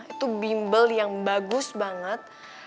itu bimbel yang bagus banget